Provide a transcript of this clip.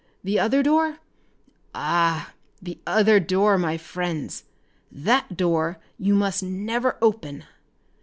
The other door? Ah, the other door my friends! That door you must never open.